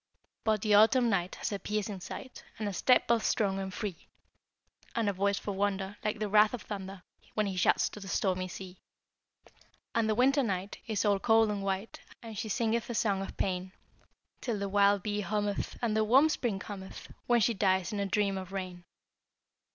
But the Autumn night Has a piercing sight, And a step both strong and free; And a voice for wonder, Like the wrath of the thunder, When he shouts to the stormy sea! And the Winter night Is all cold and white, And she singeth a song of pain; Till the wild bee hummeth, And the warm spring cometh, When she dies in a dream of rain!